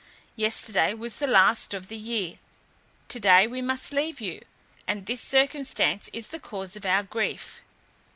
Yesterday was the last of the year; to day we must leave you, and this circumstance is the cause of our grief.